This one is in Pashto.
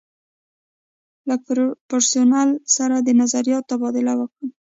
له پرسونل سره د نظریاتو تبادله وکړو.